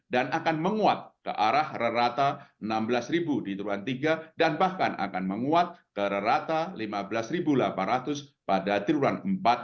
dan akan menguat ke arah rata rata enam belas di tujuan tiga dan bahkan akan menguat ke rata rata lima belas delapan ratus pada tujuan empat dua ribu dua puluh empat